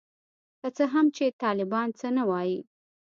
که څه هم چي طالبان څه نه وايي.